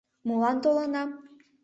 Молан толынам?